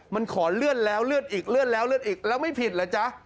มันขอเลื่อนแล้วเลื่อนอีกเลื่อนแล้วเลื่อนอีกแล้วไม่ผิดเหรอจ๊ะ